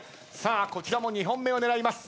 こちらも２本目を狙います。